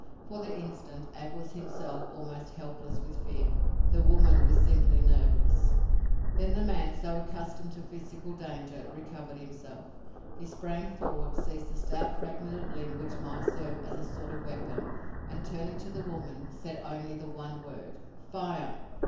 For the instant Ab was himself almost helpless with fear. The woman was simply nerveless. Then the man, so accustomed to physical danger, recovered himself. He sprang forward, seized a stout fragment of limb which might serve as a sort of weapon, and, turning to the woman, said only the one word "fire."